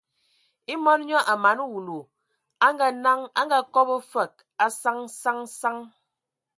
E mɔn nyɔ a mana wulu, a ngaa-naŋ, a kɔbɔgɔ fɔɔ fəg a saŋ saŋ saŋ.